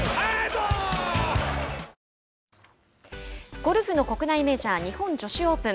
ゴルフの国内メジャー日本女子オープン。